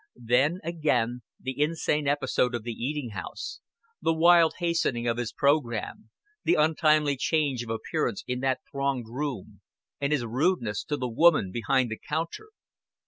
Then, again, the insane episode of the eating house the wild hastening of his program, the untimely change of appearance in that thronged room and his rudeness to the woman behind the counter.